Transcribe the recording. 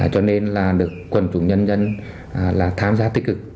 cho nên quân chủng nhân dân đã tham gia tích cực